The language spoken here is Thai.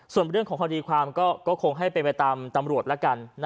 ส่วนเรื่องของคดีความก็คงให้เป็นไปตามตำรวจแล้วกัน